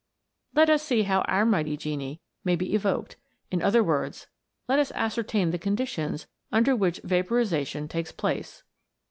Let us see how our mighty genie may be evoked ; in other words, let us ascer tain the conditions under which vaporization takes place.